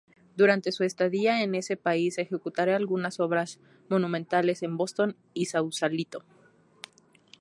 Durante su estadía en ese país ejecutará algunas obras monumentales en Boston y Sausalito.